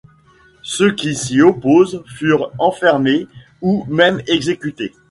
Ceux qui s'y opposaient furent enfermés ou même exécutés.